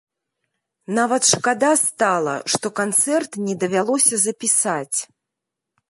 Нават шкада стала, што канцэрт не давялося запісаць.